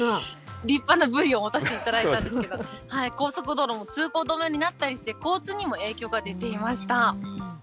立派なブリを持たせていただいたんですけど、高速道路も通行止めになったりして、交通にも影響が出ていました。